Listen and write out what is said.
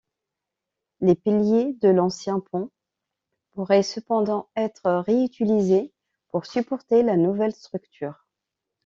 Les piliers de l'ancien pont pourrait cependant être réutilisés pour supporter la nouvelle structure.